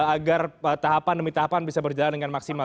agar tahapan demi tahapan bisa berjalan dengan maksimal